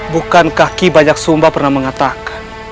bukan kaki banyak sumba pernah mengatakan